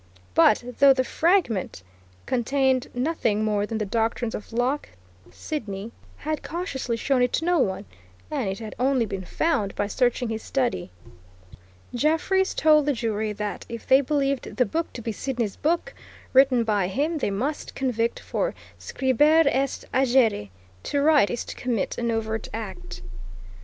But, though the fragment contained nothing more than the doctrines of Locke, Sidney had cautiously shown it to no one, and it had only been found by searching his study. Jeffreys told the jury that if they believed the book to be Sidney's book, written by him, they must convict for scribere est agere, to write is to commit an overt act.